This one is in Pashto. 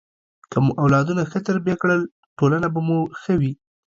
که مو اولادونه ښه تربیه کړل، ټولنه به مو ښه وي.